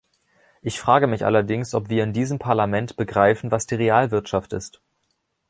Ich frage mich allerdings, ob wir in diesem Parlament begreifen, was die Realwirtschaft ist.